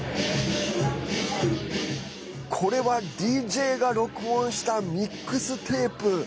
これは、ＤＪが録音したミックステープ。